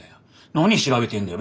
何調べてんだよ。